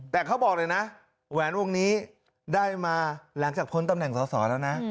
แต่เขาบอกเลยนะแหวนวงนี้ได้มาหลังจากพ้นตำแหน่งสอสอแล้วนะ